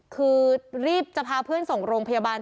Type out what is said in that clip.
คือรีบจะพาเพื่อนส่งโรงพยาบาล